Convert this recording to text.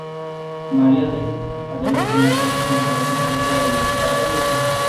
María Adela tenía fuertes sentimientos acerca de la Iglesia Católica.